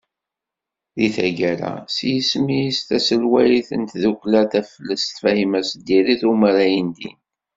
Di taggara, s yisem-is d taselwayt n tddukkla « Taflest », Fahima Seddiṛi, tumer ayendin.